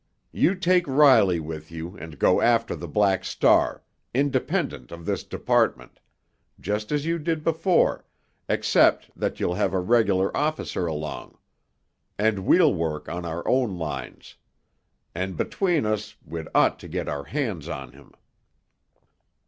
You take Riley with you and go after the Black Star, independent of this department—just as you did before, except that you'll have a regular officer along. And we'll work on our own lines. And between us, we'd ought to get our hands on him.